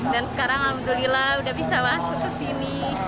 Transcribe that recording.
dan sekarang alhamdulillah udah bisa masuk ke sini